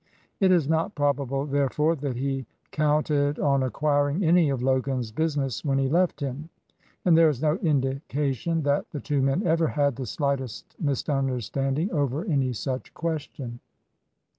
It is not probable, therefore, that he counted on acquiring any of Logan's business when he left him, and there is no indication that the two men ever had the slightest misunder standing over any such question.